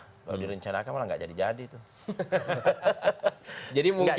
kalau direncanakan malah tidak jadi jadi